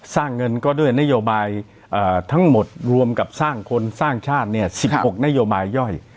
สร้างเงินก็ด้วยนโยบายทั้งหมดรวมกับสร้างคนสร้างชาติ๑๖นโยบายย่อย